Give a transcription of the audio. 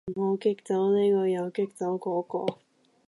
唔好激走呢個又激走嗰個